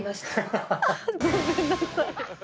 ごめんなさい。